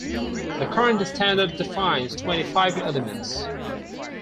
The current standard defines twenty-five elements.